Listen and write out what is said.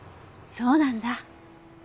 そうなんだ。